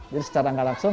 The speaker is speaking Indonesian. jadi secara langkah langsung